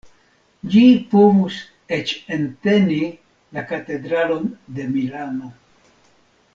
Ĝi povus eĉ enteni la Katedralon de Milano.